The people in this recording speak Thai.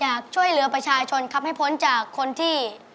อยากช่วยเหลือประชาชนครับให้พ้นจากคนที่